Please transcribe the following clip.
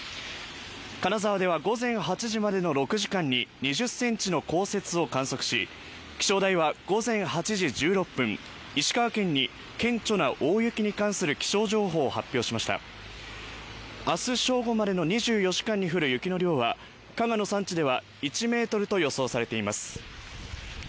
金沢では午前８時までの６時間に２０ｃｍの降雪を観測し気象台は午前８時１６分石川県に顕著な大雪に関する気象情報を発表しました明日正午までの２４時間に降る雪の量は加賀の山地では１ｍと予想されています